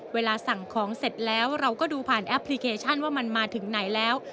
เวลาสั่งของเสร็จแล้วเราก็ดูผ่านแอปพลิเคชันว่ามันมาถึงไหนแล้ว